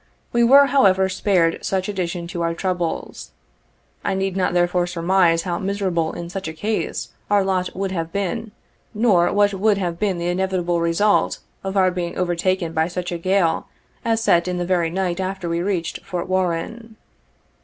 We were, however, spared such addition to our troubles. I need not therefore surmise, how miserable in such a case, our lot would have been, nor what would have been the inevitable result of our being overtaken by such a gale as set in the very night after we reached Fort Warren.